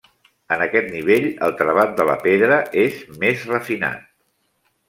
En aquest nivell el treball de la pedra és més refinat.